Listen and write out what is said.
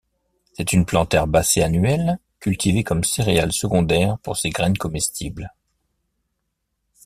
C'est une plante herbacée annuelle cultivée comme céréale secondaire pour ses graines comestibles.